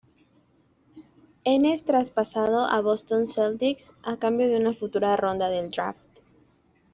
En es traspasado a Boston Celtics a cambio de una futura ronda del draft.